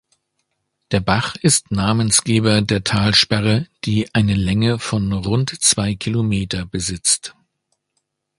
Der Bach ist Namensgeber der Talsperre, die eine Länge von rund zwei Kilometer besitzt.